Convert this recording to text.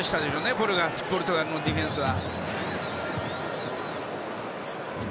ポルトガルのディフェンスは。